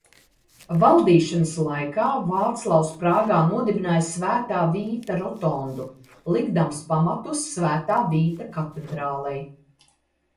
Valdīšanas laikā Vāclavs Prāgā nodibināja Svētā Vīta rotondu, likdams pamatus Svētā Vīta katedrālei.